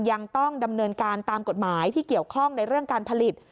ยังต้องดำเนินการตามกฎหมายที่เกี่ยวข้องในเรื่องการผลิต